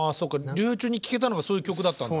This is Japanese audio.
療養中に聴けたのがそういう曲だったんだ。